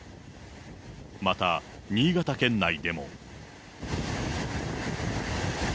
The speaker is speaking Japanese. また、新潟県内でも。